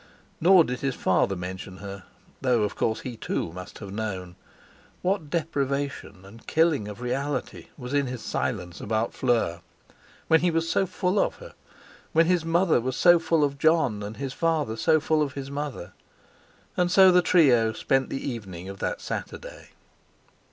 Nor did his father mention her, though of course he, too, must know. What deprivation, and killing of reality was in his silence about Fleur—when he was so full of her; when his mother was so full of Jon, and his father so full of his mother! And so the trio spent the evening of that Saturday.